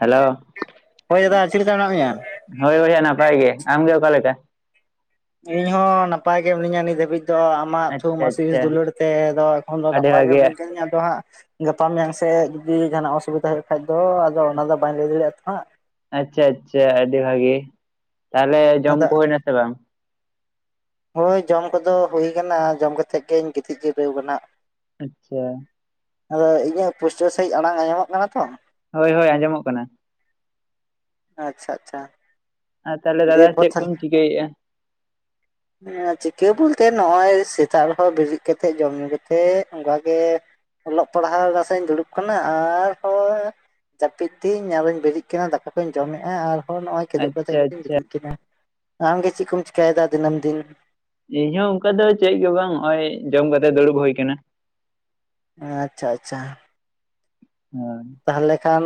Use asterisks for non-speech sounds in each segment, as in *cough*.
Hello ᱦᱚᱭ ᱫᱟᱫᱟ ᱪᱮᱫ ᱞᱮᱠᱟ ᱢᱮᱱᱟᱜ ᱢᱮᱭᱟ ᱦᱳᱭ ᱵᱚᱭᱦᱟ ᱱᱟᱯᱟᱭ ᱜᱮ ᱟᱢᱜᱮ ᱚᱠᱟ ᱞᱮᱠᱟ ᱤᱧ ᱦᱚᱸ ᱱᱟᱯᱟᱭ ᱜᱮ ᱢᱤᱱᱟᱹᱧᱟ ᱱᱤᱛ ᱫᱷᱟᱹᱵᱤᱡ ᱛᱚ ᱟᱢᱟᱜ ᱛᱷᱩᱢ ᱟᱪᱪᱷᱟ ᱟᱥᱤᱥ ᱟᱪᱪᱷᱟ ᱫᱩᱞᱟᱹᱲ ᱛᱮᱫᱚ ᱮᱠᱷᱚᱱ ᱫᱚ ᱟᱹᱰᱤ ᱱᱟᱯᱟᱭ ᱜᱮ ᱵᱷᱟᱜᱮ ᱢᱤᱱᱟᱹᱧ ᱠᱟᱹᱫᱤᱧᱟ ᱟᱫᱚ ᱦᱟᱸᱜ ᱜᱟᱯᱟ ᱢᱮᱭᱟᱝ ᱥᱮᱫ ᱡᱩᱫᱤ ᱡᱟᱦᱟᱱᱟᱜ ᱚᱥᱩᱵᱤᱫᱟ ᱦᱩᱭᱩᱜ ᱠᱷᱟᱡ ᱫᱚ ᱟᱫᱚ ᱚᱱᱟ ᱫᱚ ᱵᱟᱹᱧ ᱞᱟᱹᱭ ᱫᱟᱲᱮᱭᱟᱜᱼᱟ ᱛᱚ ᱦᱟᱸᱜ ᱟᱪᱪᱷᱟ ᱟᱪᱪᱷᱟ ᱟᱹᱰᱤ ᱵᱷᱟᱜᱮ ᱛᱟᱦᱚᱞᱮ ᱡᱚᱢ ᱟᱫᱚ ᱠᱚ ᱦᱩᱭ ᱱᱟᱥᱮ ᱵᱟᱝ ᱦᱳᱭ ᱡᱚᱢ ᱠᱚᱫᱚ ᱦᱩᱭ ᱠᱟᱱᱟ ᱡᱚᱢ ᱠᱟᱛᱮᱫ ᱜᱤᱧ ᱜᱤᱛᱤᱡ ᱡᱤᱨᱟᱹᱣ ᱠᱟᱱᱟ ᱟᱪᱪᱷᱟ ᱟᱫᱚ ᱤᱧᱟᱹᱜ ᱯᱩᱥᱴᱟᱹᱣ ᱥᱟᱺᱦᱤᱡ ᱟᱲᱟᱝ ᱟᱸᱡᱚᱢᱚᱜ ᱠᱟᱱᱟ ᱛᱚ ᱦᱳᱭ ᱦᱳᱭ ᱟᱸᱡᱚᱢᱚᱜ ᱠᱟᱱᱟ ᱟᱪᱪᱷᱟ ᱟᱪᱪᱷᱟ ᱟᱨ ᱛᱟᱦᱚᱞᱮ ᱫᱟᱫᱟ ᱫᱤᱭᱮᱯᱚᱨ ᱪᱮᱫ ᱛᱟᱦᱞᱮ ᱠᱚᱢ ᱪᱤᱠᱟᱹᱭᱮᱫᱼᱟ ᱪᱤᱠᱟᱹ ᱵᱚᱞᱛᱮ ᱱᱚᱜᱼᱚᱭ ᱥᱮᱛᱟᱜ ᱨᱮᱦᱚᱸ ᱵᱮᱨᱮᱫ ᱠᱟᱛᱮᱜ ᱡᱚᱢ ᱧᱩ ᱠᱟᱛᱮᱜ ᱚᱱᱠᱟᱜᱮ ᱚᱞᱚᱜ ᱯᱟᱲᱦᱟᱣ ᱱᱟᱥᱮᱧ ᱫᱩᱲᱩᱵ ᱠᱟᱱᱟ ᱟᱨᱦᱚᱸ ᱡᱟᱹᱯᱤᱫ ᱛᱤᱧ ᱟᱨᱚᱧ ᱵᱮᱨᱮᱫ ᱠᱟᱱᱟ ᱫᱟᱠᱟ ᱠᱚᱧ ᱡᱚᱢᱮᱫᱼᱟ ᱟᱨ ᱦᱚᱸ ᱱᱚᱜᱼᱚᱭ ᱠᱮᱫᱚᱜ ᱟᱪᱪᱷᱟ ᱠᱟᱛᱮᱫ ᱤᱧ ᱟᱪᱪᱷᱟ ᱜᱤᱛᱤᱡ ᱠᱟᱱᱟ ᱟᱢᱜᱮ ᱪᱮᱫ ᱠᱚᱢ ᱪᱤᱠᱟᱭᱫᱟ ᱫᱤᱱᱟᱹᱢ ᱫᱤᱱ ᱤᱧᱦᱚᱸ ᱚᱱᱠᱟ ᱫᱚ ᱪᱮᱫ ᱜᱮ ᱵᱟᱝ ᱱᱚᱜᱼᱚᱭ ᱡᱚᱢ ᱠᱟᱛᱮᱜ ᱫᱩᱲᱩᱵ ᱦᱩᱭ ᱟᱠᱟᱱᱟ ᱟᱪᱪᱷᱟ ᱟᱪᱪᱷᱟ ᱦᱳᱭ ᱛᱟᱦᱚᱞᱮ ᱠᱷᱟᱱ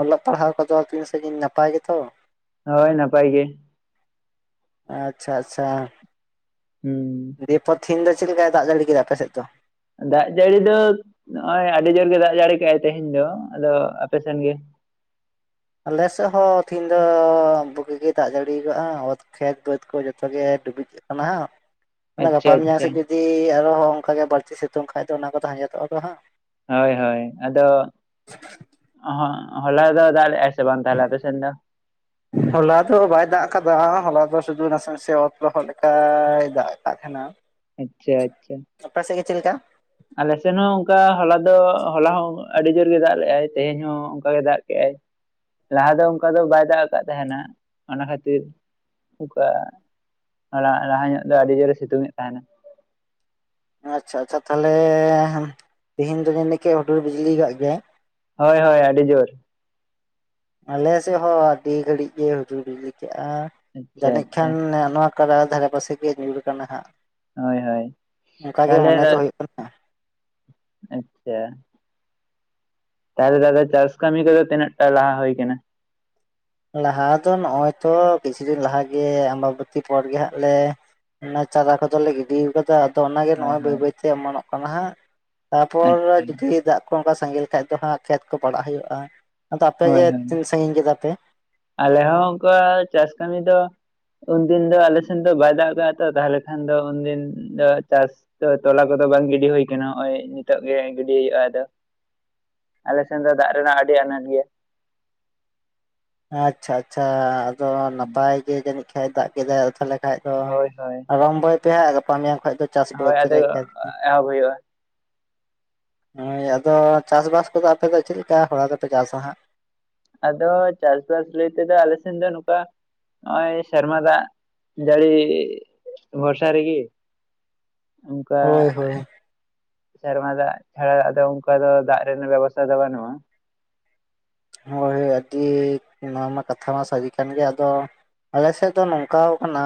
ᱚᱞᱚᱜ ᱯᱟᱲᱦᱟᱣ ᱠᱚᱫᱚ ᱛᱤᱱ ᱥᱟᱺᱜᱤᱧ ᱱᱟᱯᱟᱭ ᱜᱮᱛᱚ ᱦᱳᱭ ᱱᱟᱯᱟᱭ ᱜᱮ ᱟᱪᱪᱷᱟ ᱟᱪᱪᱷᱟ ᱦᱮᱸ ᱛᱮᱦᱤᱱ ᱫᱚ ᱪᱮᱫ ᱞᱮᱠᱟᱭ ᱫᱟᱜ ᱡᱟᱲᱤ ᱠᱮᱫᱟ ᱟᱯᱮ ᱥᱮᱫ ᱫᱚ ᱫᱟᱜ ᱡᱟᱹᱲᱤ ᱫᱚ ᱱᱚᱜ-ᱚᱭ ᱟᱹᱰᱤ ᱡᱳᱨ ᱜᱮ ᱫᱟᱜ ᱡᱟᱹᱲᱤ ᱠᱮᱜ-ᱟᱭ ᱛᱮᱦᱮᱧ ᱫᱚ ᱟᱫᱚ ᱟᱯᱮ ᱥᱮᱱ ᱜᱮ ᱟᱞᱮ ᱥᱮᱫ ᱦᱚᱸ ᱛᱮᱦᱤᱧ ᱫᱚ ᱵᱩᱜᱤ ᱜᱮ ᱫᱟᱜ ᱡᱟᱹᱲᱤᱭᱟᱠᱟᱜ-ᱟ ᱚᱭ ᱠᱷᱮᱛ ᱵᱟᱹᱫᱽ ᱠᱚ ᱡᱚᱛᱚᱜᱮ ᱰᱩᱵᱩᱡ ᱟᱠᱟᱱᱟ ᱚᱱᱟ ᱜᱟᱯᱟ ᱟᱪᱪᱷᱟ ᱢᱮᱭᱟᱝ ᱟᱪᱪᱷᱟ ᱥᱮᱫ ᱡᱩᱫᱤ ᱟᱨᱦᱚᱸ ᱚᱱᱠᱟᱜᱮ ᱵᱟᱹᱲᱛᱤ ᱥᱤᱛᱩᱝ ᱠᱷᱟᱡ ᱫᱚ ᱚᱱᱟ ᱠᱚᱫᱚ ᱟᱸᱡᱮᱫᱚᱜ-ᱟ ᱦᱟᱸᱜ ᱦᱳᱭ ᱦᱳᱭ ᱟᱫᱚ ᱦᱚᱞᱟ ᱫᱚᱭ ᱫᱟᱜ ᱞᱮᱭᱟᱭ ᱦᱚᱞᱟ ᱫᱚ ᱵᱟᱭ ᱫᱟᱜ ᱠᱟᱫᱟ ᱦᱚᱞᱟ ᱫᱚ ᱥᱩᱫᱷᱩ ᱱᱟᱥᱮ ᱱᱟᱥᱮ ᱚᱛ ᱞᱚᱦᱚᱜ ᱞᱮᱠᱟᱭ ᱫᱟᱜ ᱟᱠᱟᱫ ᱛᱟᱦᱮᱸᱱᱟ ᱟᱪᱪᱷᱟ ᱟᱪᱪᱷᱟ ᱪᱮᱫ ᱞᱮᱠᱟ ᱟᱞᱮ ᱥᱮᱱ ᱦᱚᱸ ᱚᱱᱠᱟ ᱦᱚᱞᱟ ᱫᱚ ᱦᱚᱞᱟ ᱦᱚᱸ ᱟᱹᱰᱤ ᱡᱳᱨ ᱜᱮ ᱫᱟᱜ ᱞᱮᱦ-ᱟᱭ ᱛᱮᱦᱮᱧ ᱦᱚᱸ ᱚᱱᱠᱟ ᱜᱮ ᱫᱟᱜ ᱠᱮᱜᱟᱭ ᱞᱟᱦᱟ ᱫᱚ ᱚᱱᱠᱟ ᱫᱚ ᱵᱟᱭ ᱫᱟᱜ ᱟᱠᱟᱫ ᱛᱟᱦᱮᱱᱟ ᱚᱱᱟ ᱠᱷᱟᱹᱛᱤᱨ ᱚᱱᱠᱟ ᱞᱟᱦᱟ ᱧᱚᱜ ᱫᱚ ᱟᱹᱰᱤ ᱡᱳᱨ-ᱮ ᱥᱤᱛᱩᱝ ᱮ ᱛᱟᱦᱮᱱᱟ ᱟᱪᱪᱷᱟ ᱟᱪᱪᱷᱟ ᱛᱟᱦᱚᱞᱮ ᱛᱮᱦᱤᱧ ᱫᱚ ᱡᱟᱹᱱᱤᱡ ᱠᱤ ᱦᱩᱰᱩᱨ ᱵᱤᱡᱽᱞᱤ ᱠᱟᱜ ᱜᱮᱭᱟᱭ ᱦᱳᱭ ᱦᱳᱭ ᱟᱹᱰᱤ ᱡᱳᱨ ᱟᱞᱮ ᱥᱮᱫ ᱦᱚᱸ ᱟᱹᱰᱤ ᱜᱷᱟᱹᱲᱤᱡ ᱜᱮ ᱦᱩᱰᱩᱨ ᱵᱤᱡᱽᱞᱤ ᱠᱟᱜ-ᱟ ᱟᱪᱪᱷᱟ ᱡᱟᱹᱱᱤᱡ ᱟᱪᱪᱷᱟ ᱠᱷᱟᱱ ᱱᱚᱣᱟ ᱚᱠᱟ ᱫᱷᱟᱨᱮ ᱯᱟᱥᱮ ᱜᱮ ᱧᱩᱨ ᱠᱟᱱᱟ ᱦᱟᱸᱜ ᱦᱳᱭ ᱦᱳᱭ ᱚᱱᱠᱟ ᱜᱮ ᱛᱟᱦᱚᱞᱮ ᱢᱚᱱᱮ ᱫᱟ ᱫᱚ ᱦᱩᱭᱩᱜ ᱠᱟᱱᱟ ᱟᱪᱪᱷᱟ ᱛᱟᱦᱚᱞᱮ ᱫᱟᱫᱟ ᱪᱟᱥ ᱠᱟᱹᱢᱤ ᱠᱚᱫᱚ ᱛᱤᱱᱟᱹᱜ ᱴᱟ ᱞᱟᱦᱟ ᱦᱩᱭ ᱟᱠᱟᱱᱟ ᱞᱟᱦᱟ ᱫᱚ ᱱᱚᱜ-ᱚᱭ ᱛᱚ ᱠᱤᱪᱷᱩ ᱫᱤᱱ ᱞᱟᱦᱟ ᱜᱮ ᱟᱢᱵᱟᱵᱚᱹᱛᱤ ᱯᱚᱨ ᱜᱮ ᱦᱟᱸᱜ ᱞᱮ ᱚᱱᱟ ᱪᱟᱨᱟ ᱠᱚᱫᱚᱞᱮ ᱜᱤᱰᱤ ᱟᱠᱟᱫᱟ ᱛᱚ ᱚᱱᱟᱜᱮ ᱦᱳᱭ ᱱᱚᱜ-ᱚᱭ ᱵᱟᱹᱭ ᱦᱳᱭ ᱵᱟᱹᱭᱛᱮ ᱚᱢᱚᱱᱚᱜ ᱠᱟᱱᱟ ᱦᱟᱸᱜ ᱛᱟᱨᱯᱚᱨ ᱟᱪᱪᱷᱟ ᱡᱩᱫᱤ ᱫᱟᱜ ᱠᱚ ᱚᱱᱠᱟ ᱥᱟᱸᱜᱮ ᱞᱮᱠᱷᱟᱡ ᱫᱚ ᱦᱟᱸᱜ ᱠᱷᱮᱛ ᱠᱚ ᱯᱟᱲᱟᱜ ᱦᱩᱭᱩᱜ-ᱟ ᱟᱫᱚ ᱦᱳᱭ ᱟᱯᱮᱜᱮ ᱦᱳᱭ ᱛᱤᱱ ᱥᱟᱺᱜᱤᱧ ᱠᱮᱫᱟ ᱯᱮ ᱟᱞᱮ ᱦᱚᱸ ᱚᱱᱠᱟ ᱪᱟᱥ ᱠᱟᱹᱢᱤ ᱫᱚ ᱩᱱᱫᱤᱱ ᱫᱚ ᱟᱞᱮᱥᱮᱱ ᱫᱚ ᱵᱟᱭ ᱫᱟᱜ ᱠᱟᱜ-ᱟ ᱛᱚ ᱛᱟᱦᱚᱞᱮ ᱠᱷᱟᱱ ᱫᱚ ᱩᱱᱫᱤᱱ ᱫᱚ ᱪᱟᱥ ᱛᱚᱞᱟ ᱠᱚᱫᱚ ᱵᱟᱝ ᱜᱤᱰᱤ ᱦᱩᱭ ᱟᱠᱟᱱᱟ ᱱᱚᱜ-ᱚᱭ ᱱᱤᱛᱚᱜ ᱜᱮ ᱜᱤᱰᱤ ᱦᱩᱭᱩᱜ-ᱟ ᱟᱫᱚ ᱟᱞᱮ ᱥᱮᱱ ᱫᱚ ᱫᱟᱜ ᱨᱮᱱᱟᱜ ᱟᱹᱰᱤ ᱟᱱᱟᱴ ᱜᱮᱭᱟ ᱟᱪᱪᱷᱟ ᱟᱪᱪᱷᱟ ᱟᱫᱚ ᱱᱟᱯᱟᱭ ᱜᱮ ᱡᱟᱹᱱᱤᱡ ᱠᱷᱟᱱ ᱫᱟᱜ ᱠᱮᱫᱟᱭ ᱟᱫᱚ ᱛᱟᱦᱚᱞᱮ ᱵᱟᱠᱷᱟᱡ ᱫᱚ ᱦᱳᱭ ᱦᱳᱭ ᱟᱨᱚᱢᱵᱚᱭ ᱯᱮ ᱦᱟᱸᱜ ᱜᱟᱯᱟ ᱢᱮᱭᱟᱝ ᱠᱷᱚᱡ ᱫᱚ ᱪᱟᱥ ᱦᱳᱭ ᱵᱟᱹᱫᱽ ᱟᱫᱚ ᱨᱮ ᱮᱦᱚᱵ ᱦᱩᱭᱩᱜᱼᱟ ᱦᱳᱭ ᱟᱫᱚ ᱪᱟᱥ-ᱵᱟᱥ ᱠᱚᱫᱚ ᱟᱯᱮ ᱫᱚ ᱪᱮᱫ ᱞᱮᱠᱟ ᱦᱚᱨᱟ ᱫᱚᱯᱮ ᱪᱟᱥ-ᱟ ᱦᱟᱸᱜ ᱟᱫᱚ ᱪᱟᱥᱵᱟᱥ ᱞᱟᱹᱭ ᱛᱮᱫᱚ ᱟᱞᱮ ᱥᱮᱱ ᱫᱚ ᱱᱚᱝᱠᱟ ᱱᱚᱜ-ᱚᱭ ᱥᱮᱨᱢᱟ ᱫᱟᱜ ᱡᱟᱹᱲᱤ ᱵᱷᱚᱨᱥᱟ ᱨᱮᱜᱤ ᱚᱱᱠᱟ ᱦᱳᱭ ᱦᱳᱭ ᱥᱮᱨᱢᱟ ᱫᱟᱜ ᱪᱷᱟᱲᱟ ᱫᱚ ᱚᱱᱠᱟ ᱫᱚ ᱫᱟᱜ ᱨᱮᱱᱟᱜ ᱵᱮᱵᱚᱥᱛᱷᱟ ᱫᱚ ᱵᱟᱹᱱᱩᱜ-ᱟ ᱦᱳᱭ ᱦᱳᱭ ᱟᱹᱰᱤ ᱱᱚᱣᱟ ᱢᱟ ᱠᱟᱛᱷᱟ ᱢᱟ ᱥᱟᱹᱨᱤ ᱠᱟᱱ ᱜᱮ ᱟᱫᱚ ᱟᱞᱮ ᱥᱮᱫ ᱫᱚ ᱱᱚᱝᱠᱟᱣ ᱠᱟᱱᱟ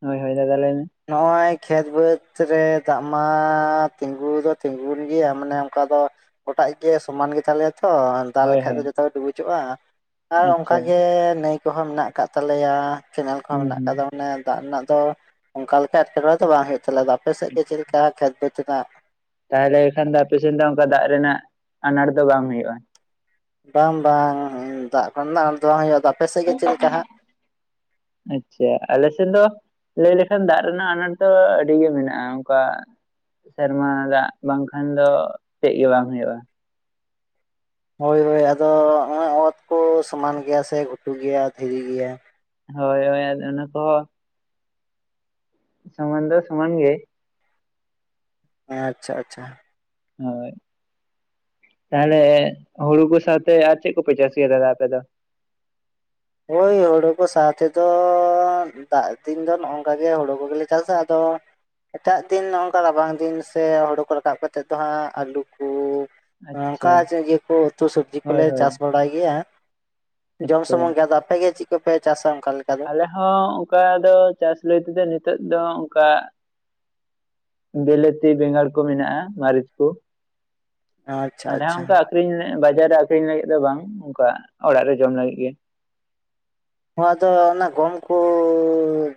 ᱦᱳᱭ ᱦᱳᱭ ᱫᱟᱫᱟ ᱞᱟᱹᱭ ᱢᱮ ᱱᱚᱜᱼᱚᱭ ᱠᱷᱮᱛ ᱵᱟᱹᱫᱽ ᱨᱮ ᱫᱟᱜ ᱢᱟ ᱛᱤᱸᱜᱩ ᱫᱚ ᱛᱤᱸᱜᱩᱱ ᱜᱮᱭᱟ ᱢᱟᱱᱮ ᱚᱱᱠᱟ ᱫᱚ ᱜᱚᱴᱟ ᱜᱮ ᱥᱚᱢᱟᱱ ᱜᱮ ᱛᱟᱞᱮᱭᱟ ᱛᱚ ᱫᱟᱜ ᱦᱳᱭ ᱞᱮᱠᱷᱟᱡ ᱫᱚ ᱦᱳᱭ ᱡᱚᱛᱚ ᱜᱮ ᱰᱩᱵᱩᱡᱚᱜ-ᱟ ᱟᱨ ᱟᱪᱪᱷᱟ ᱚᱱᱠᱟᱜᱮ ᱱᱟᱹᱭ ᱠᱚᱦᱚᱸ ᱢᱮᱱᱟᱜ ᱟᱠᱟᱫ ᱛᱟᱞᱮᱭᱟ ᱪᱮᱱᱮᱞ ᱠᱚᱦᱚᱸ ᱦᱩᱸ ᱢᱮᱱᱟᱜ ᱦᱩᱸ ᱟᱠᱟᱫᱟ ᱢᱟᱱᱮ ᱫᱟᱜ ᱨᱮᱱᱟᱜ ᱫᱚ ᱚᱱᱠᱟ ᱞᱮᱠᱟ ᱮᱴᱠᱮᱴᱚᱬᱮ ᱫᱚ ᱵᱟᱝ ᱦᱩᱭᱩᱜ ᱛᱟᱞᱮᱭᱟ ᱟᱯᱮ ᱥᱮᱫ ᱜᱮ ᱪᱮᱫ ᱞᱮᱠᱟ ᱠᱷᱮᱛ ᱵᱟᱹᱛ ᱨᱮᱱᱟᱜ ᱛᱟᱦᱚᱞᱮ ᱠᱷᱟᱱ ᱫᱚ ᱟᱯᱮ ᱥᱮᱱ ᱫᱚ ᱚᱱᱠᱟ ᱫᱟᱜ ᱨᱮᱱᱟᱜ ᱟᱱᱟᱴ ᱫᱚ ᱵᱟᱝ ᱦᱩᱭᱩᱜᱼᱟ ᱵᱟᱝ ᱵᱟᱝ ᱫᱟᱜ ᱠᱚᱨᱮᱱᱟᱜ ᱫᱚ ᱟᱱᱟᱴ ᱫᱚ ᱵᱟᱝ ᱦᱩᱭᱩᱜᱼᱟ ᱟᱫᱚ ᱟᱯᱮ ᱥᱮᱫ ᱜᱮ ᱪᱮᱫ ᱞᱮᱠᱟ ᱦᱟᱸᱜ ᱟᱪᱪᱷᱟ ᱟᱞᱮᱥᱮᱫ ᱫᱚ ᱞᱟᱹᱭ ᱞᱮᱠᱷᱟᱱ ᱫᱟᱜ ᱨᱮᱱᱟᱜ ᱟᱱᱟᱴ ᱫᱚ ᱟᱹᱰᱤ ᱜᱮ ᱢᱮᱱᱟᱜᱼᱟ ᱚᱱᱠᱟ ᱥᱮᱨᱢᱟ ᱫᱟᱜ ᱵᱟᱝᱠᱷᱟᱱ ᱫᱚ ᱪᱮᱫ ᱜᱮ ᱵᱟᱝ ᱦᱩᱭᱩᱜᱼᱟ ᱦᱳᱭ ᱦᱳᱭ ᱟᱫᱚᱜ ᱚᱛ ᱠᱚ ᱥᱚᱢᱟᱱ ᱜᱮᱭᱟ ᱥᱮ ᱜᱷᱩᱴᱩ ᱜᱮᱭᱟ ᱫᱷᱤᱨᱤ ᱜᱮᱭᱟ ᱦᱳᱭ ᱦᱳᱭ ᱟᱫᱚ ᱚᱱᱟ ᱠᱚᱦᱚᱸ ᱥᱚᱢᱟᱱ ᱫᱚ ᱥᱚᱢᱟᱱ ᱜᱮ ᱟᱪᱪᱷᱟ ᱟᱪᱪᱷᱟ ᱦᱳᱭ ᱛᱟᱦᱚᱞᱮ ᱦᱩᱲᱩ ᱠᱚ ᱥᱟᱶᱛᱮ ᱟᱨ ᱪᱮᱫ ᱠᱚᱯᱮ ᱪᱟᱥ ᱜᱮᱭᱟ ᱫᱟᱫᱟ ᱟᱯᱮ ᱫᱚ ᱦᱳᱭ ᱦᱩᱲᱩ ᱠᱚ ᱥᱟᱶ ᱛᱮᱫᱚ ᱫᱟᱜ ᱫᱤᱱ ᱫᱚ ᱱᱚᱜᱠᱟ ᱜᱮ ᱦᱩᱲᱩ ᱠᱚᱜᱮᱞᱮ ᱪᱟᱥᱟ ᱟᱫᱚ ᱮᱴᱟᱜ ᱫᱤᱱ ᱱᱚᱝᱠᱟ ᱨᱟᱵᱟᱝ ᱫᱤᱱ ᱥᱮ ᱦᱳᱲᱳ ᱠᱚ ᱨᱟᱠᱟᱵ ᱠᱟᱛᱮᱫ ᱫᱚ ᱦᱟᱸᱜ ᱟᱹᱞᱩ ᱠᱚ ᱚᱱᱠᱟ ᱟᱪᱪᱷᱟ ᱤᱭᱟᱹ ᱠᱚ ᱩᱛᱩ ᱥᱚᱵᱡᱤ ᱦᱳᱭ ᱠᱚᱞᱮ ᱦᱳᱭ ᱪᱟᱥ ᱵᱟᱲᱟᱭ ᱜᱮᱭᱟ ᱡᱚᱢ ᱟᱪᱪᱷᱟ ᱥᱩᱢᱩᱝ ᱜᱮ ᱟᱫᱚ ᱟᱯᱮᱜᱮ ᱪᱤᱫ ᱠᱚᱯᱮ ᱪᱟᱥᱟ ᱚᱱᱠᱟ ᱞᱮᱠᱟ ᱫᱚ? ᱟᱞᱮ ᱦᱚᱸ ᱚᱱᱠᱟ ᱫᱚ ᱪᱟᱥ ᱞᱟᱹᱭ ᱛᱮᱫᱚ ᱱᱤᱛᱚᱜ ᱫᱚ ᱚᱝᱠᱟ ᱵᱤᱞᱟᱹᱛᱤ ᱵᱮᱸᱜᱟᱲ ᱠᱚ ᱢᱮᱱᱟᱜᱼᱟ ᱢᱟᱹᱨᱤᱪ ᱠᱚ ᱟᱪᱪᱷᱟ ᱟᱞᱮ ᱦᱚᱸ ᱟᱪᱪᱷᱟ ᱚᱱᱠᱟ ᱟᱠᱷᱨᱤᱧ ᱵᱟᱡᱟᱨ ᱨᱮ ᱟᱠᱷᱨᱤᱧ ᱞᱟᱹᱜᱤᱫ ᱫᱚ ᱵᱟᱝ ᱚᱱᱠᱟ ᱚᱲᱟᱜ ᱨᱮ ᱡᱚᱢ ᱞᱟᱹᱜᱤᱫ ᱜᱮ ᱱᱚᱣᱟᱫᱚ ᱚᱱᱟ ᱜᱚᱢ ᱠᱚ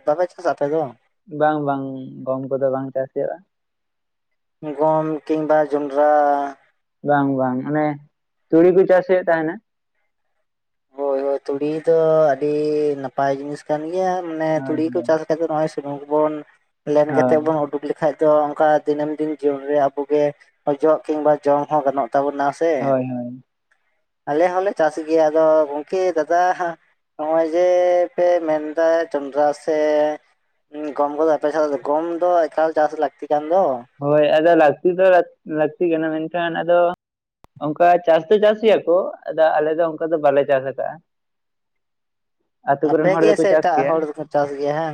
ᱵᱟᱯᱮ ᱪᱟᱥᱟ ᱟᱯᱮ ᱫᱚ ᱵᱟᱝ ᱵᱟᱝ ᱜᱚᱢ ᱠᱚᱫᱚ ᱵᱟᱝ ᱪᱟᱹᱥ ᱦᱩᱭᱩᱜ ᱟ ᱜᱚᱢ ᱠᱤᱝᱵᱟ ᱡᱚᱱᱰᱨᱟ ᱵᱟᱝ ᱵᱟᱝ ᱚᱱᱮ ᱛᱩᱲᱤ ᱠᱚ ᱪᱟᱹᱥ ᱦᱩᱭᱩᱜ ᱛᱟᱦᱮᱱᱟ ᱦᱳᱭ ᱦᱳᱭ ᱛᱩᱲᱤ ᱫᱚ ᱟᱹᱰᱤ ᱱᱟᱯᱟᱭ ᱡᱤᱱᱤᱥ ᱠᱟᱱ ᱜᱮᱭᱟ ᱢᱟᱱᱮ ᱦᱳᱭ ᱛᱩᱲᱤ ᱠᱚ ᱦᱳᱭ ᱪᱟᱥ ᱠᱟᱛᱮ ᱱᱚᱜ ᱚᱭ ᱱᱚᱣᱟ ᱠᱚ ᱵᱚᱱ ᱞᱮᱱ ᱠᱟᱛᱮᱫ ᱦᱳᱭ ᱵᱚᱱ ᱩᱰᱩᱠ ᱞᱮᱠᱷᱟᱡ ᱛᱚ ᱚᱱᱠᱟ ᱫᱤᱱᱟᱹᱢ ᱫᱤᱱ ᱡᱤᱭᱚᱱ ᱨᱮ ᱟᱵᱚᱜᱮ ᱚᱡᱚᱜ ᱠᱤᱝᱵᱟ ᱡᱚᱢ ᱦᱚᱸ ᱜᱟᱱᱚᱜ ᱛᱟᱵᱚᱱᱟ ᱥᱮ ᱦᱳᱭ ᱦᱳᱭ ᱟᱞᱮ ᱦᱚᱸᱞᱮ ᱪᱟᱥ ᱜᱮᱭᱟ ᱟᱫᱚ ᱠᱤ ᱫᱟᱫᱟ ᱱᱚᱜᱼᱚᱭ ᱡᱮ ᱯᱮ ᱢᱮᱱᱫᱟ ᱡᱚᱱᱰᱨᱟ ᱥᱮ ᱜᱚᱢ ᱠᱚᱫᱚ ᱟᱯᱮ ᱥᱮᱫ ᱜᱚᱢ ᱫᱚ ᱮᱠᱟᱞ ᱪᱟᱥ ᱞᱟᱹᱠᱛᱤ ᱠᱟᱱ ᱫᱚ ᱦᱳᱭ ᱟᱫᱚ ᱞᱟᱹᱠᱛᱤ ᱫᱚ ᱞᱟᱹᱠᱛᱤ ᱠᱟᱱᱟ ᱢᱮᱱᱠᱷᱟᱱ ᱟᱫᱚ ᱚᱱᱠᱟ ᱪᱟᱥ ᱫᱚ ᱪᱟᱥ ᱜᱮᱭᱟᱠᱚ ᱟᱫᱚ ᱟᱞᱮ ᱫᱚ ᱚᱱᱠᱟ ᱫᱚ ᱵᱟᱞᱮ ᱪᱟᱥ ᱠᱟᱜᱼᱟ ᱟᱹᱛᱳ ᱟᱯᱮ ᱠᱚᱨᱮᱱ ᱦᱚᱲ ᱜᱮ ᱫᱚᱠᱚ ᱥᱮ ᱪᱟᱥ ᱮᱴᱟᱜ ᱠᱮᱭᱟ ᱦᱚᱲ ᱫᱚᱠᱚ ᱪᱟᱥ ᱜᱮᱭᱟ ᱦᱟᱝ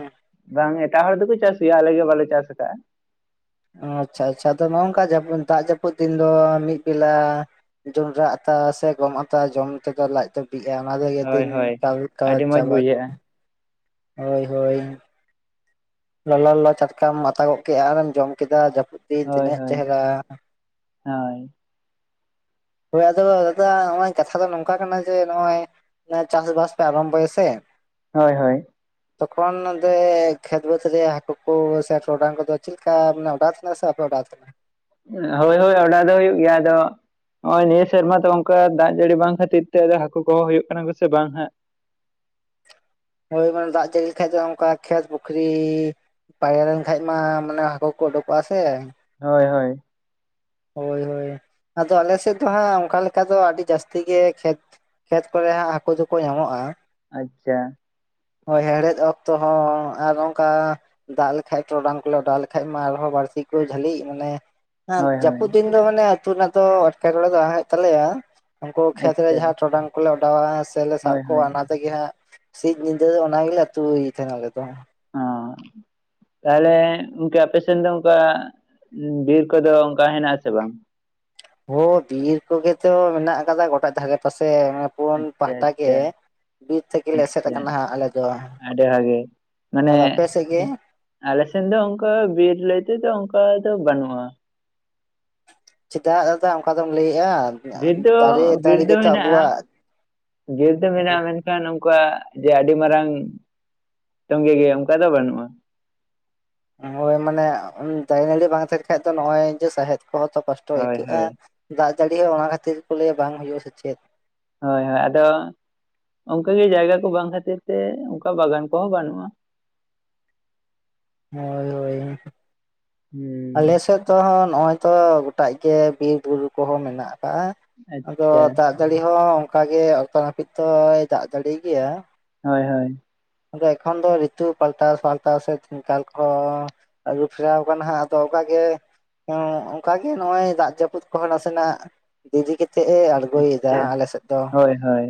ᱵᱟᱝ ᱮᱴᱟᱜ ᱦᱚᱲ ᱫᱚᱠᱚ ᱪᱟᱥ ᱜᱮᱭᱟ ᱟᱞᱮ ᱜᱮ ᱵᱟᱞᱮ ᱪᱟᱥ ᱠᱟᱜ-ᱟ ᱚ ᱟᱪᱪᱷᱟ ᱟᱪᱪᱷᱟ ᱟᱫᱚ ᱱᱚᱜ ᱱᱚᱝᱠᱟ ᱡᱟᱹᱯᱩᱫ ᱫᱟᱜ ᱡᱟᱹᱯᱩᱫ ᱫᱤᱱ ᱫᱚ ᱢᱤᱫ ᱵᱮᱞᱟ ᱡᱚᱸᱰᱨᱟ ᱟᱛᱟ ᱥᱮ ᱜᱚᱢ ᱟᱛᱟ ᱡᱚᱢ ᱛᱮᱫᱚ ᱞᱟᱡ ᱫᱚ ᱵᱤᱜᱼᱟ ᱚᱱᱟ ᱛᱮᱜᱮ ᱦᱳᱭ ᱫᱤᱱ ᱦᱳᱭ ᱠᱟᱞ ᱠᱟ ᱟᱹᱰᱤ ᱢᱚᱸᱡᱽ ᱪᱟᱵᱟ ᱵᱩᱡᱷᱟᱹᱜᱼᱟ ᱤᱫᱤᱜ ᱟ ᱦᱳᱭ ᱦᱳᱭ ᱞᱚᱞᱚ ᱞᱚᱞᱚ ᱪᱟᱴᱠᱟᱢ ᱟᱛᱟ ᱜᱚᱫ ᱠᱮᱫᱼᱟ ᱟᱨᱮᱢ ᱡᱚᱢ ᱠᱮᱫᱟ ᱫᱤᱱ ᱦᱳᱭ ᱛᱤᱱᱟᱹᱜ ᱦᱳᱭ ᱪᱮᱦᱨᱟ ᱦᱳᱭ ᱦᱳᱭ ᱟᱫᱚ ᱫᱟᱫᱟ ᱱᱚᱜᱼᱚᱭ ᱠᱟᱛᱷᱟ ᱫᱚ ᱱᱚᱝᱠᱟ ᱠᱟᱱᱟ ᱡᱮ ᱱᱚᱜᱼᱚᱭ ᱪᱟᱥᱵᱟᱥ ᱯᱮ ᱟᱨᱚᱢᱵᱷᱚᱭᱟᱥᱮ ᱦᱳᱭ ᱦᱳᱭ ᱛᱚᱠᱷᱚᱱ ᱱᱚᱸᱰᱮ ᱠᱷᱮᱛ ᱵᱟᱹᱫᱽ ᱨᱮ ᱦᱟᱹᱠᱩ ᱠᱚ ᱥᱮ ᱴᱚᱨᱚᱰᱟᱝ ᱠᱚᱫᱚ ᱪᱮᱫ ᱠᱟ ᱢᱟᱱᱮ ᱚᱰᱟᱣ ᱛᱟᱦᱮᱱᱟ ᱥᱮ ᱵᱟᱯᱮ ᱚᱰᱟᱣ ᱛᱟᱦᱮᱱᱟ ᱦᱳᱭ ᱦᱳᱭ ᱚᱰᱟᱣ ᱫᱚ ᱦᱩᱭᱩᱜ ᱜᱮᱭᱟ ᱟᱫᱚ ᱱᱚᱜᱼᱚᱭ ᱱᱤᱭᱟᱹ ᱥᱮᱨᱢᱟ ᱫᱚ ᱚᱱᱠᱟ ᱫᱟᱜ ᱡᱟᱹᱲᱤ ᱵᱟᱝ ᱠᱷᱟᱹᱛᱤᱨ ᱛᱮ ᱦᱟᱹᱠᱩ ᱠᱚᱦᱚᱸ ᱦᱩᱭᱩᱜ ᱠᱟᱱᱟ ᱠᱚ ᱥᱮ ᱵᱟᱝ ᱦᱟᱜ ᱦᱳᱭ ᱢᱟᱱᱮ ᱫᱟᱜ ᱡᱟᱹᱲᱤ ᱞᱮᱠᱷᱟᱡ ᱫᱚ ᱚᱱᱠᱟ ᱠᱷᱮᱛ ᱯᱩᱠᱷᱩᱨᱤ ᱯᱟᱭᱨᱟ ᱞᱮᱱᱠᱷᱟᱱᱡ ᱢᱟ ᱢᱟᱱᱮ ᱦᱟᱹᱠᱩ ᱠᱚ ᱩᱰᱩᱠᱚᱜᱼᱟ ᱥᱮ ᱦᱳᱭ ᱦᱳᱭ ᱦᱳᱭ ᱦᱳᱭ ᱟᱫᱚ ᱟᱞᱮ ᱥᱮᱫ ᱫᱚ ᱦᱟᱸᱜ ᱚᱱᱠᱟ ᱞᱮᱠᱟ ᱫᱚ ᱟᱹᱰᱤ ᱡᱟᱹᱥᱛᱤ ᱜᱮ ᱠᱷᱮᱛ ᱠᱷᱮᱛ ᱠᱚᱨᱮ ᱦᱟᱸᱜ ᱦᱟᱹᱠᱩ ᱫᱚᱠᱚ ᱧᱟᱢᱚᱜᱼᱟ ᱟᱪᱪᱷᱟ ᱦᱳᱭ ᱦᱮᱲᱦᱮᱫ ᱚᱠᱛᱚ ᱦᱚᱸ ᱟᱨ ᱚᱱᱠᱟ ᱫᱟᱜ ᱞᱮᱠᱷᱟᱡ ᱴᱚᱨᱚᱰᱟᱝ ᱠᱚᱞᱮ ᱚᱰᱟᱣ ᱞᱮᱠᱷᱟᱡ ᱢᱟ ᱟᱨᱦᱚᱸ ᱵᱟᱝ ᱯᱟᱹᱥᱤ ᱠᱚ ᱡᱟᱹᱞᱤᱜ ᱢᱟᱱᱮ ᱦᱮᱸ ᱦᱳᱭ ᱦᱳᱭ ᱡᱟᱹᱯᱩᱫ ᱫᱤᱱ ᱫᱚ ᱢᱟᱱᱮ ᱟᱹᱛᱩ ᱨᱮᱱᱟᱜ ᱫᱚ ᱮᱴᱠᱮᱴᱚᱬᱮ ᱫᱚ ᱟ ᱦᱩᱭᱩᱜ ᱛᱟᱞᱮᱭᱟ ᱩᱱᱠᱩ ᱠᱷᱮᱛᱨᱮ ᱟᱪᱪᱷᱟ ᱡᱟᱦᱟᱸ ᱴᱚᱨᱚᱰᱟᱝ ᱠᱚᱞᱮ ᱚᱰᱟᱣᱟ ᱥᱮᱞᱮ ᱥᱟᱵ ᱦᱳᱭ ᱠᱚᱣᱟ ᱦᱳᱭ ᱚᱱᱟ ᱛᱮᱜᱮ ᱦᱟᱸᱜ ᱥᱤᱧ ᱧᱤᱫᱟᱹ ᱫᱚ ᱚᱱᱟ ᱜᱮᱞᱮ ᱟᱹᱛᱩᱮᱫ ᱛᱟᱦᱮᱱ *unintelligible* ᱟᱞᱮ ᱫᱚ ᱚ ᱛᱟᱦᱚᱞᱮ ᱜᱚᱝᱠᱮ ᱟᱯᱮ ᱥᱮᱱ ᱫᱚ ᱚᱱᱠᱟ ᱵᱤᱨ ᱠᱚᱫᱚ ᱚᱱᱠᱟ ᱦᱮᱱᱟᱜ ᱟᱥᱮ ᱵᱟᱝ ᱦᱳ ᱵᱤᱨ ᱠᱚᱜᱮ ᱛᱚ ᱢᱮᱱᱟᱜ ᱠᱟᱫᱟ ᱜᱚᱴᱟ ᱫᱷᱟᱨᱮ ᱯᱟᱥᱮ ᱥᱮ ᱯᱩᱱ ᱟᱪᱪᱷᱟ ᱯᱟᱦᱴᱟ ᱜᱮ ᱟᱪᱪᱷᱟ ᱵᱤᱨ ᱛᱮᱜᱮ ᱞᱮ ᱮᱥᱮᱫ ᱟᱪᱪᱷᱟ ᱠᱟᱱᱟ ᱦᱟᱸᱜ ᱟᱞᱮ ᱫᱚ ᱟᱹᱰᱤ ᱵᱷᱟᱜᱮ ᱢᱟᱱᱮ ᱟᱫᱚ ᱟᱯᱮ ᱥᱮᱫ ᱜᱮ ᱟᱞᱮᱥᱮᱱ ᱫᱚ ᱚᱱᱠᱟ ᱵᱤᱨ ᱞᱟᱹᱭ ᱛᱮᱫᱚ ᱚᱱᱠᱟ ᱫᱚ ᱵᱟᱹᱱᱩᱜ ᱚ *unintelligible* ᱪᱮᱫᱟᱜ ᱫᱟᱫᱟ ᱚᱱᱠᱟ ᱫᱚᱢ ᱞᱟᱹᱭᱮᱫ ᱵᱤᱨ ᱫᱚ ᱵᱤᱨ ᱫᱚ ᱢᱮᱱᱟᱜᱼᱟ ᱟᱵᱚᱣᱟᱜ ᱵᱤᱨ ᱫᱚ ᱢᱮᱱᱟᱜᱼᱟ ᱢᱮᱱᱠᱷᱟᱱ ᱣᱟᱜ ᱡᱮ ᱟᱹᱰᱤ ᱢᱟᱨᱟᱝ ᱛᱚᱸᱜᱮ ᱜᱮ ᱚᱱᱠᱟ ᱫᱚ ᱵᱟᱹᱱᱩᱜᱼᱟ ᱦᱳᱭ ᱢᱟᱱᱮ ᱫᱟᱨᱮᱼ ᱱᱟᱹᱲᱤ ᱵᱟᱝ ᱛᱟᱦᱮᱱ ᱠᱷᱟᱡ ᱫᱚ ᱱᱚᱜᱼᱚᱭ ᱡᱮ ᱥᱟᱦᱮᱫ ᱠᱚᱛᱚ ᱠᱚᱥᱴᱚ ᱦᱳᱭ ᱟᱹᱭᱠᱟᱹᱜᱼᱟ ᱦᱳᱭ ᱫᱟᱜ ᱡᱟᱹᱲᱤ ᱦᱚᱸ ᱚᱱᱟ ᱠᱷᱟᱹᱛᱤᱨ ᱠᱚ ᱞᱟᱹᱭᱟ ᱵᱟᱝ ᱦᱩᱭᱩᱜᱼᱟ ᱥᱮ ᱪᱮᱫ ᱦᱳᱭ ᱦᱳᱭ ᱟᱫᱚ ᱚᱱᱠᱟᱜᱮ ᱡᱟᱭᱜᱟ ᱠᱚ ᱵᱟᱝ ᱠᱷᱟᱹᱛᱤᱨ ᱛᱮ ᱚᱱᱠᱟ ᱵᱟᱜᱟᱱ ᱠᱚᱦᱚᱸ ᱵᱟᱹᱱᱩᱜᱼᱟ ᱦᱳᱭ ᱦᱳᱭ ᱟᱞᱮ ᱦᱩᱸ ᱥᱮᱫ ᱫᱚ *inaudible* ᱱᱚᱜᱼᱚᱭ ᱛᱚ ᱜᱚᱴᱟᱜ ᱜᱮ ᱵᱤᱨ ᱵᱩᱨᱩ ᱠᱚᱦᱚᱸ ᱢᱮᱱᱟᱜ ᱠᱟᱜᱼᱟ ᱟᱫᱚ ᱟᱪᱪᱷᱟ ᱫᱟᱜ ᱡᱟᱹᱲᱤ ᱦᱚᱸ ᱚᱱᱠᱟ ᱜᱮ ᱚᱠᱛᱚ ᱱᱟᱹᱯᱤᱛ ᱦᱚᱭ ᱫᱟᱜ ᱫᱟᱲᱤ ᱜᱮᱭᱟ ᱦᱳᱭ ᱦᱳᱭ ᱮᱠᱷᱚᱱ ᱫᱚ ᱨᱤᱛᱩ ᱯᱟᱞᱴᱟ ᱯᱟᱞᱴᱟᱣ ᱥᱮ ᱠᱟᱞ ᱠᱚ ᱟᱹᱜᱩᱯᱷᱮᱨᱟᱣ ᱠᱟᱱᱟ ᱦᱟᱸᱜ ᱟᱫᱚ ᱚᱱᱠᱟ ᱜᱮ ᱳ ᱚᱱᱠᱟᱜᱮ ᱱᱚᱜᱼᱚᱭ ᱫᱟᱜ ᱡᱟᱹᱯᱩᱫ ᱠᱚᱦᱚᱸ ᱱᱟᱥᱮᱱᱟᱜ ᱫᱤᱨᱤ ᱠᱟᱛᱮ ᱟᱪᱪᱷᱟ ᱦᱳᱭ ᱦᱳᱭ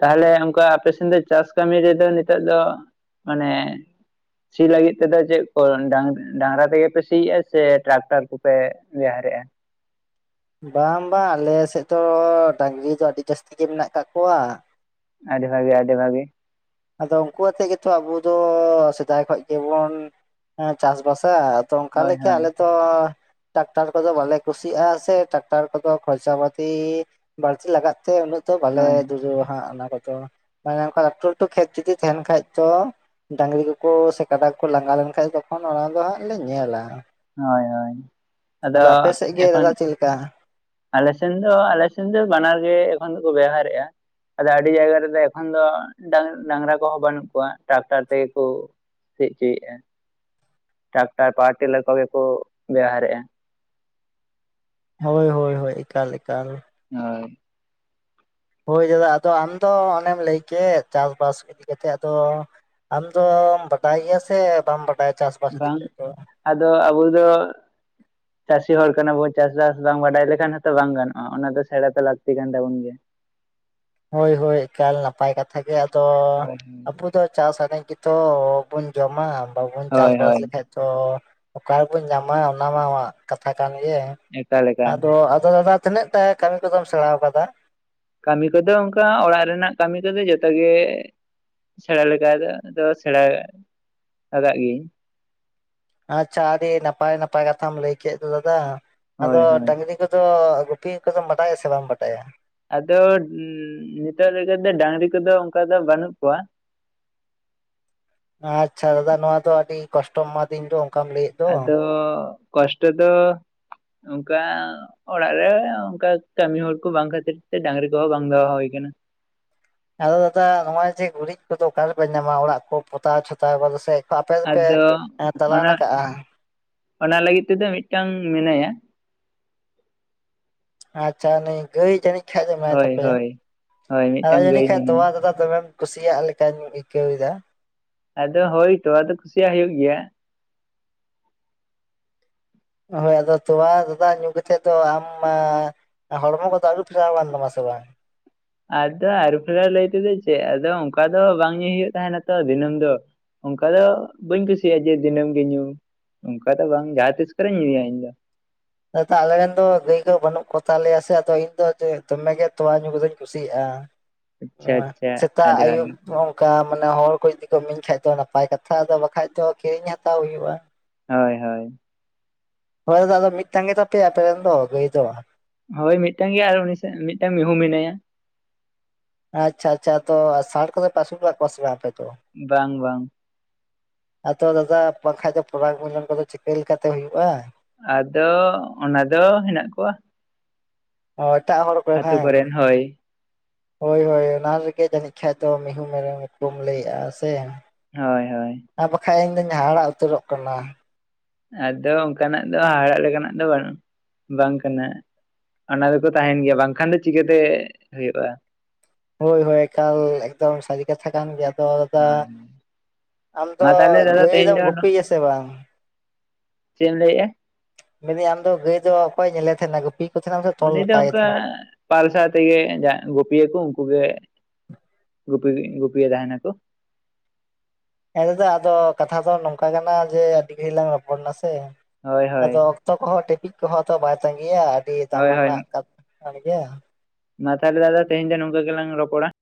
ᱛᱟᱦᱚᱞᱮ ᱚᱱᱠᱟ ᱟᱯᱮ ᱥᱮᱱ ᱫᱚ ᱪᱟᱥ ᱠᱟᱹᱢᱤ ᱨᱮᱫᱚ ᱱᱤᱛᱚᱜ ᱫᱚ ᱢᱟᱱᱮ ᱥᱤ ᱞᱟᱹᱜᱤᱫ ᱛᱮᱫᱚ ᱪᱮᱫ ᱠᱚ ᱰᱟᱝ ᱰᱟᱝᱨᱟ ᱛᱮᱜᱮ ᱯᱮ ᱥᱤᱭ ᱟ ᱥᱮ ᱴᱨᱟᱠᱴᱟᱨ ᱠᱚᱯᱮ ᱵᱮ *inaudible* ᱫ *unintelligible* ᱵᱟᱝ ᱵᱟᱝ ᱟᱞᱮ ᱥᱮᱫ ᱫᱚ ᱰᱟᱝᱨᱤ ᱫᱚ ᱟᱹᱰᱤ ᱡᱟᱹᱥᱛᱤ ᱜᱮ ᱢᱮᱱᱟᱜ ᱠᱟᱜ ᱠᱚᱣᱟ ᱟᱹᱰᱤ ᱵᱷᱟᱜᱮ ᱟᱹᱰᱤ ᱵᱷᱟᱜᱮ ᱟᱫᱚ ᱩᱱᱠᱩ ᱟᱛᱮᱜ ᱜᱮᱛᱚ ᱟᱵᱚ ᱫᱚ ᱥᱮᱫᱟᱭ ᱠᱷᱚᱡ ᱜᱮᱵᱚᱱ ᱪᱟᱥᱵᱟᱥ ᱟ ᱟᱫᱚ ᱚᱱᱠᱟ ᱦᱳᱭ ᱞᱮᱠᱟ ᱦᱳᱭ ᱟᱞᱮ ᱛᱚ ᱴᱟᱠᱴᱟᱨ ᱠᱚᱫᱚ ᱵᱟᱞᱮ ᱠᱩᱥᱤᱭᱟᱜᱼᱟ ᱥᱮ ᱴᱟᱠᱴᱟᱨ ᱠᱚᱫᱚ ᱠᱷᱚᱨᱪᱟ ᱯᱟᱟᱹᱛᱤ ᱵᱟᱹᱲᱛᱤ ᱞᱟᱜᱟᱜ ᱛᱮ ᱩᱱᱟᱹᱜ ᱛᱚ ᱵᱟᱞᱮ ᱦᱳᱭ ᱫᱩᱲᱟᱹᱣᱟ ᱦᱟᱸᱜ ᱚᱱᱟ ᱠᱚᱫᱚ ᱢᱟᱱᱮ ᱚᱸᱠᱟ ᱞᱟᱹᱴᱩ ᱞᱟᱹᱴᱩ ᱠᱷᱮᱛ ᱡᱩᱫᱤ ᱛᱟᱦᱮᱱ ᱠᱷᱟᱡ ᱛᱚ ᱰᱟᱝᱨᱤ ᱠᱚᱠᱚ ᱥᱮ ᱠᱟᱰᱟ ᱠᱚ ᱞᱟᱸᱜᱟ ᱞᱮᱱᱠᱷᱟᱱᱡ ᱛᱚᱠᱷᱚᱱ ᱚᱱᱟ ᱫᱚ ᱦᱟᱸᱜ ᱞᱮ ᱧᱮᱞᱟ ᱦᱳᱭ ᱦᱳᱭ ᱟᱫᱚ ᱟᱯᱮ ᱥᱮᱫ ᱜᱮ ᱮᱠᱷᱚᱱ ᱫᱟᱫᱟ ᱪᱮᱫ ᱞᱮᱠᱟ? ᱟᱞᱮ ᱥᱮᱱ ᱫᱚ ᱟᱞᱮ ᱥᱮᱱ ᱫᱚ ᱵᱟᱱᱟᱨ ᱜᱮ ᱮᱠᱷᱚᱱ ᱫᱚᱠᱚ ᱵᱮᱣᱦᱟᱨᱮᱫᱼᱟ ᱟᱫᱚ ᱟᱹᱰᱤ ᱡᱟᱭᱜᱟ ᱨᱮᱫᱚ ᱮᱠᱷᱚᱱ ᱫᱚ ᱰᱟᱝ ᱰᱟᱝᱨᱟ ᱠᱚᱦᱚᱸ ᱵᱟᱹᱱᱩᱜ ᱠᱚᱣᱟ ᱴᱨᱟᱠᱴᱟᱨ ᱛᱮᱜᱮ ᱠᱚ ᱥᱤᱫ ᱦᱚᱪᱚᱭᱼᱟ ᱴᱨᱟᱠᱴᱟᱨ ᱯᱟᱣᱟᱨ ᱴᱤᱞᱟᱹᱨ ᱠᱚᱜᱮᱠᱚ ᱵᱮᱣᱦᱟᱨᱮᱫᱼᱟ ᱦᱳᱭ ᱦᱳᱭ ᱦᱳᱭ ᱮᱠᱟᱞ ᱮᱠᱟᱞ ᱟᱨ ᱦᱳᱭ ᱫᱟᱫᱟ ᱟᱫᱚ ᱟᱢᱫᱚ ᱚᱱᱮᱢ ᱞᱟᱹᱭ ᱠᱮᱫ ᱪᱟᱥᱵᱟᱥ ᱤᱫᱤ ᱠᱟ ᱠᱟᱛᱮᱫ ᱟᱫᱚ ᱟᱢ ᱫᱚᱼᱢ ᱵᱟᱰᱟᱭ ᱜᱮᱭᱟ ᱥᱮ ᱵᱟᱢ ᱵᱟᱰᱟᱭ ᱵᱟᱝ ᱟᱫᱚ ᱟᱵᱚ ᱫᱚ ᱪᱟᱹᱥᱤ ᱦᱚᱲ ᱠᱟᱱᱟ ᱵᱚᱱ ᱪᱟᱥᱵᱟᱥ ᱵᱟᱝ ᱵᱟᱰᱟᱭ ᱞᱮᱠᱷᱟᱱ ᱦᱚᱸᱛᱚ ᱵᱟᱝ ᱜᱟᱱᱚᱜᱼᱟ ᱚᱱᱟ ᱫᱚ ᱥᱮᱬᱟ ᱛᱮ ᱞᱟᱹᱠᱛᱤ ᱠᱟᱱ ᱛᱟᱵᱚᱱ ᱜᱮᱭᱟ ᱦᱳᱭ ᱦᱳᱭ ᱮᱠᱟᱞ ᱱᱟᱯᱟᱭ ᱠᱟᱛᱷᱟ ᱜᱮ ᱟᱫᱚ ᱦᱳᱭ ᱦᱳᱭ ᱟᱵᱚ ᱫᱚ ᱪᱟᱥ ᱟᱹᱫᱧ *unintelligible* ᱜᱮᱛᱚ ᱵᱚᱱ ᱡᱚᱢᱟ ᱵᱟᱵᱚᱱ ᱪᱟᱥ ᱦᱳᱭ ᱵᱟᱥ ᱦᱳᱭ ᱞᱮᱠᱷᱟᱡ ᱛᱚ ᱚᱠᱟᱨᱮᱵᱚᱱ ᱧᱟᱢᱟ ᱚᱱᱟ ᱢᱟ ᱠᱟᱛᱷᱟ ᱠᱟᱱ ᱜᱮ ᱮᱠᱟᱞ ᱮᱠᱟᱞ ᱟᱫᱚ ᱟᱫᱚ ᱫᱟᱫᱟ ᱛᱤᱱᱟᱹᱜ ᱴᱟᱭ ᱠᱟᱹᱢᱤ ᱠᱚᱫᱚᱢ ᱥᱮᱬᱟ ᱟᱠᱟᱫᱟ ᱠᱟᱹᱢᱤ ᱠᱚᱫᱚ ᱚᱱᱠᱟ ᱚᱲᱟᱜ ᱨᱮᱱᱟᱜ ᱠᱟᱹᱢᱤ ᱠᱚᱫᱚ ᱡᱚᱛᱚᱜᱮ ᱥᱮᱬᱟ ᱞᱮᱠᱟ ᱫᱚ ᱥᱮᱬᱟ ᱟᱠᱟᱫ ᱜᱤᱭᱟᱹᱧ ᱾ ᱟᱪᱪᱷᱟ ᱟᱹᱰᱤ ᱱᱟᱯᱟᱭ ᱱᱟᱯᱟᱭ ᱠᱟᱛᱷᱟᱢ ᱞᱟᱹᱭ ᱠᱮᱫ ᱫᱚ ᱫᱟᱫᱟ ᱦᱳᱭ ᱟᱫᱚ ᱦᱳᱭ ᱰᱟᱹᱟᱝᱨᱤ ᱠᱚᱫᱚ ᱜᱩᱯᱤ ᱠᱚᱫᱚᱢ ᱵᱟᱰᱟᱭᱟ ᱥᱮ ᱵᱟᱢ ᱵᱟᱰᱟᱭᱟ ᱾ ᱟᱫᱚ ᱱᱤᱛᱚᱜ ᱫᱚ ᱰᱟᱝᱨᱤ ᱠᱚᱫᱚ ᱚᱱᱠᱟ ᱫᱚ ᱵᱟᱹᱱᱩᱜ ᱠᱚᱣᱟ ᱾ ᱟᱪᱪᱷᱟ ᱫᱟᱫᱟ ᱱᱚᱣᱟ ᱫᱚ ᱟᱹᱰᱤ ᱠᱚᱥᱴᱚ ᱢᱟ ᱫᱤᱱ ᱫᱚ ᱾ ᱟᱫᱚ ᱠᱚᱥᱴᱚ ᱫᱚ ᱚᱱᱠᱟ ᱚᱲᱟᱜ ᱨᱮ ᱚᱱᱠᱟ ᱠᱟᱹᱢᱤ ᱦᱚᱲ ᱠᱚ ᱵᱟᱝ ᱠᱷᱟᱹᱛᱤᱨ ᱛᱮ ᱰᱟᱝᱨᱤ ᱠᱚᱦᱚᱸ ᱵᱟᱝ ᱫᱚᱦ ᱦᱩᱭ ᱠᱟᱱᱟ ᱾ ᱟᱫᱚ ᱫᱟᱫᱟ ᱱᱚᱜᱼᱚᱭ ᱡᱮ ᱜᱩᱨᱤᱡ ᱠᱚᱫᱚ ᱚᱠᱟ ᱨᱮᱯᱮ ᱧᱟᱢᱟ ᱚᱲᱟᱜ ᱠᱚ ᱯᱚᱛᱟᱣ ᱪᱷᱚᱛᱟᱣ ᱵᱟᱫᱚ ᱥᱮᱫ? ᱟᱫᱚ ᱚᱱᱟ ᱚᱱᱟ ᱞᱟᱹᱜᱤᱫ ᱛᱮᱫᱚ ᱢᱤᱫᱴᱟᱝ ᱢᱮᱱᱟᱭᱟ ᱾ ᱟᱪᱪᱷᱟ ᱱᱤ ᱜᱟᱹᱭ ᱡᱟᱹᱱᱤᱡ ᱠᱷᱟᱱᱡ ᱮᱢᱟᱭ ᱦᱳᱭ ᱛᱟᱯᱮᱭᱟ ᱦᱳᱭ ᱦᱳᱭ ᱟᱨ ᱢᱤᱫᱴᱟᱝ ᱜᱟᱹᱭ ᱡᱟᱹᱱᱤᱡ ᱠᱷᱟᱡ ᱢᱮᱱᱟᱭᱟ ᱛᱚᱣᱟ ᱫᱟ ᱫᱚᱢᱮᱢ ᱠᱩᱥᱤᱭᱟᱜ ᱞᱮᱠᱟᱧ ᱟᱹᱭᱠᱟᱹᱣ ᱮᱫᱟ ᱟᱫᱚ ᱦᱳᱭᱛᱚ ᱟᱫᱚ ᱠᱩᱥᱤᱭᱟᱜ ᱦᱩᱭᱩᱜ ᱜᱮᱭᱟ ᱾ ᱦᱳᱭ ᱟᱫᱚ ᱛᱚᱣᱟ ᱫᱟᱫᱟ ᱧᱩ ᱠᱟᱛᱮᱫ ᱫᱚ ᱢᱟ ᱦᱚᱲᱢᱚ ᱠᱚᱫᱚ ᱟᱹᱨᱩ ᱯᱷᱮᱨᱟᱣ ᱟᱠᱟᱱ ᱛᱟᱢᱟ ᱥᱮ ᱵᱟᱝ? ᱟᱫᱚ ᱟᱨᱩ ᱯᱷᱮᱨᱟ ᱞᱟᱹᱭ ᱛᱮᱫᱚ ᱪᱮᱫ ᱟᱫᱚ ᱚᱱᱠᱟ ᱫᱚ ᱵᱟᱝ ᱧᱩᱭ ᱦᱩᱭᱩᱜ ᱛᱟᱦᱮᱸᱱᱟ ᱛᱚ ᱫᱤᱱᱟᱹᱢ ᱫᱚ᱾ ᱚᱱᱠᱟ ᱫᱚ ᱵᱟᱹᱧ ᱠᱩᱥᱤᱭᱟᱜᱼᱟ ᱡᱮ ᱫᱤᱱᱟᱹᱢ ᱜᱮ ᱧᱩ ᱾ ᱚᱱᱠᱟ ᱫᱚ ᱵᱟᱝ ᱡᱟᱦᱟᱸ ᱛᱤᱥ ᱠᱚᱨᱮᱧ ᱧᱩᱭᱟ ᱤᱧ ᱫᱚ ᱾ ᱫᱟᱫᱟ ᱟᱞᱮᱨᱮ ᱨᱮᱱ ᱫᱚ ᱜᱟᱹᱭ ᱠᱚ ᱵᱟᱹᱱᱩᱜ ᱠᱚᱛᱟᱞᱮᱭᱟ ᱥᱮ ᱟᱫᱚ ᱤᱧᱫᱚ ᱫᱚᱢᱮᱜᱮ ᱛᱳᱣᱟ ᱧᱩ ᱠᱚᱫᱚᱧ ᱠᱩᱥᱤᱭᱟ-ᱟ ᱟᱪᱪᱷᱟ ᱠᱩᱥᱤᱭᱟᱜᱼᱟ ᱟᱪᱪᱷᱟ ᱾ ᱥᱮᱛᱟᱜ ᱟᱹᱰᱤ ᱟᱹᱭᱩᱵ ᱵᱷᱟᱜᱤ ᱦᱚᱸ ᱝᱠᱟ ᱾ ᱢᱟᱱᱮ ᱦᱚᱲ ᱠᱚ ᱡᱩᱫᱤ ᱠᱚ ᱤᱢᱟᱹᱧ ᱠᱷᱟᱡ ᱫᱚ ᱱᱟᱯᱟᱭ ᱠᱟᱛᱷᱟ ᱟᱫᱚ ᱵᱟᱠᱷᱟᱟᱱ ᱫᱚ ᱠᱤᱨᱤᱧ ᱦᱟᱛᱟᱣ ᱦᱩᱭᱩᱜᱼᱟ ᱾ ᱦᱳᱭ ᱦᱳᱭ ᱾ ᱦᱳᱭ ᱫᱟᱫᱟ ᱢᱤᱫᱴᱟᱝ ᱜᱮᱛᱟᱯᱮᱭᱟ ᱟᱯᱮ ᱨᱮᱱ ᱫᱚ ᱜᱟᱹᱭ ᱫᱚ? ᱦᱳᱭ ᱢᱤᱫᱴᱟᱝ ᱜᱮ ᱟᱨ ᱩᱱᱤ ᱢᱤᱫᱴᱟᱝ ᱢᱤᱦᱩ ᱢᱮᱱᱟᱭᱟ ᱾ ᱟᱪᱪᱷᱟ ᱟᱪᱪᱷᱟ ᱛᱚ ᱥᱟᱲ ᱠᱚ ᱫᱚ ᱯᱮ ᱟᱹᱥᱩᱞ ᱟᱠᱟᱫ ᱠᱚᱣᱟ ᱥᱮ ᱵᱟᱝ? ᱫᱚ ᱵᱟᱝ ᱵᱟᱝ ᱾ ᱟᱫᱚ ᱫᱟᱫᱟ ᱵᱟᱝ ᱠᱷᱟᱡ ᱫᱚ ᱯᱚᱨᱟᱠ ᱨᱱᱡᱚᱱ ᱠᱚᱫᱚ ᱪᱤᱠᱟᱹ ᱞᱮᱠᱟᱛᱮ ᱦᱩᱭᱩᱜᱼᱟ? ᱟᱫᱚ ᱚᱱᱟ ᱫᱚ ᱦᱮᱱᱟᱜ ᱠᱚᱣᱟ ᱾ ᱚ ᱮᱴᱟᱜ ᱦᱚᱲ ᱠᱚᱨᱮ ᱵᱟᱝ ᱦᱳᱭ ᱾ ᱦᱳᱭ ᱦᱳᱭ ᱚᱱᱟ ᱨᱮᱜᱮ ᱡᱟᱹᱱᱤᱡ ᱠᱷᱟᱱ ᱫᱚ ᱢᱤᱦᱩ ᱢᱮᱨᱚᱢ ᱠᱚᱢ ᱞᱟᱹᱭᱮᱜᱼᱟ ᱥᱮ ᱾ ᱦᱳᱭ ᱦᱳᱭ ᱾ ᱤᱧ ᱫᱩᱧ ᱦᱟᱦᱟᱲᱟ ᱩᱛᱟᱹᱨᱚᱜ ᱠᱟᱱᱟ ᱾ ᱟᱫᱚ ᱚᱱᱠᱟᱱᱟᱜ ᱫᱚ ᱦᱟᱦᱟᱲᱟᱜ ᱞᱮᱠᱟᱱᱟᱜ ᱫᱚ ᱵᱟᱝ ᱵᱟᱝ ᱠᱟᱱᱟ ᱾ ᱚᱱᱟ ᱫᱚᱠᱚ ᱛᱟᱦᱮᱸᱱ ᱜᱮᱭᱟ ᱵᱟᱝᱠᱷᱟᱱ ᱫᱚ ᱪᱤᱠᱟᱹᱛᱮ ᱦᱩᱭᱩᱜᱼᱟ ᱾ ᱦᱳᱭ ᱦᱳᱭ ᱠᱟᱞ ᱮᱠᱫᱚᱢ ᱥᱟᱹᱨᱤ ᱠᱟᱛᱷᱟ ᱠᱟᱱ ᱜᱮᱭᱟ ᱾ ᱫᱟᱫᱟ ᱦᱳᱭ ᱟᱢ ᱫᱚ ᱢᱟ ᱛᱟᱦᱚᱞᱮ ᱫᱟᱫᱟ ᱛᱮᱦᱮᱧ ᱜᱟᱹᱭᱫᱚᱢ ᱫᱚ ᱜᱩᱯᱤᱭᱟ ᱥᱮ ᱵᱟᱝ? ᱪᱮᱫ ᱮᱢ ᱞᱟᱹᱭᱮᱜᱼᱟ? ᱢᱮᱱᱫᱟᱹᱧ ᱟᱢᱫᱚ ᱜᱟᱹᱭ ᱫᱚ ᱚᱠᱚᱭᱧ ᱧᱮᱞᱮᱫ ᱛᱟᱦᱮᱸᱱᱟ ᱜᱩᱯᱤ? ᱠᱚ ᱛᱟᱦᱮᱱᱟᱢ ᱥᱮ ᱛᱚᱞ ᱩᱱᱤ ᱫᱚ ᱠᱟᱭ ᱚᱱᱠᱟ ᱛᱟᱦᱮᱱᱟ ᱯᱟᱞᱥᱟ ᱛᱮᱜᱮ ᱡᱟᱦᱟᱸ ᱜᱩᱯᱤᱭᱟᱹ ᱠᱚ ᱩᱱᱠᱩ ᱜᱮ ᱜᱩᱯᱤ ᱜᱩᱯᱤᱭᱮ ᱛᱟᱦᱮᱸ ᱠᱚ ᱾ ᱦᱮᱸ ᱫᱟᱫᱟ ᱟᱫᱚ ᱠᱟᱛᱷᱟ ᱫᱚ ᱱᱚᱝᱠᱟ ᱠᱟᱱᱟ ᱡᱮ ᱟᱹᱰᱤ ᱜᱷᱟᱹᱲᱤᱡ ᱞᱟᱝ ᱨᱚᱯᱚᱲ ᱱᱟ ᱥᱮ ᱦᱳᱭ ᱦᱳᱭ ᱟᱫᱚ ᱚᱠᱛᱚ ᱠᱚᱦᱚᱸ ᱴᱤᱯᱤᱡ ᱠᱚᱦᱚᱸ ᱛᱚ ᱵᱟᱭ ᱛᱟᱸᱜᱤᱭᱟ ᱟᱹᱰᱤ ᱦᱳᱭ ᱦᱳᱭ ᱫᱟᱢᱟᱱᱟᱜ *unintelligible* ᱟ ᱜᱮ *unintelligible* ᱢᱟ ᱛᱟᱦᱞᱮ ᱫᱟᱫᱟ ᱛᱮᱦᱮᱧ ᱫᱚ ᱱᱤᱝᱠᱟ ᱜᱮᱞᱟᱝ ᱨᱚᱯᱚᱲᱟ ᱾